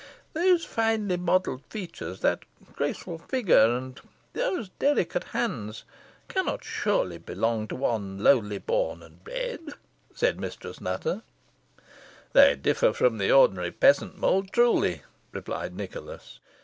"Those finely modelled features, that graceful figure, and those delicate hands, cannot surely belong to one lowly born and bred?" said Mistress Nutter. "They differ from the ordinary peasant mould, truly," replied Nicholas.